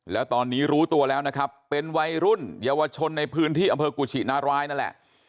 แล้วตอนนี้รู้ตัวแล้วนะครับเป็นวัยรุ่นเยาวชนในพื้นที่อำเภอกุชินารายนั่นแหละ